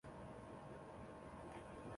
林翰生于清朝光绪四年。